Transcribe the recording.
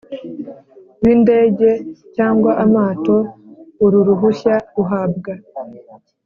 B indege cyangwa amato uru ruhushya ruhabwa